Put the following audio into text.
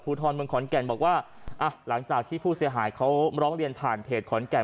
ทรเมืองขอนแก่นบอกว่าอ่ะหลังจากที่ผู้เสียหายเขาร้องเรียนผ่านเพจขอนแก่น